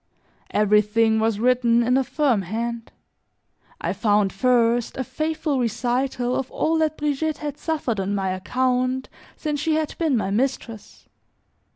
Everything was written in a firm hand; I found, first, a faithful recital of all that Brigitte had suffered on my account since she had been my mistress.